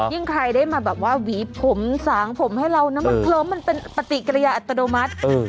ใครได้มาแบบว่าหวีผมสางผมให้เรานะมันเคลิ้มมันเป็นปฏิกิริยาอัตโนมัติ